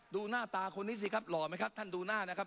ดูหน้าตาคนนี้สิครับหล่อไหมครับท่านดูหน้านะครับ